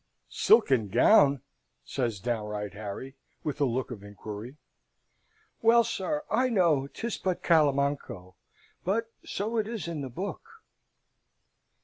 "Silken gown?" says downright Harry, with a look of inquiry. "Well, sir, I know 'tis but Calimanco; but so it is in the book